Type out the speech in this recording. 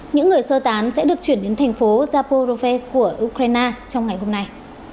những người sơ tán sẽ được chuyển đến thành phố zaporovest của ukraine trong ngày hôm nay